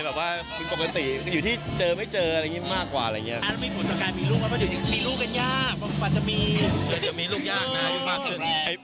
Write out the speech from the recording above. แบบว่าผิดปกติอยู่ที่เจอไม่เจออะไรอย่างนี้มากกว่าอะไรอย่างนี้